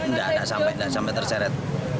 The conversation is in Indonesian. nggak ada sampai terseret